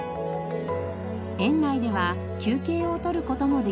園内では休憩を取る事もできます。